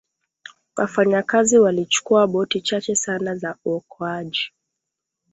wafanyakazi walichukua boti chache sana za uokoaji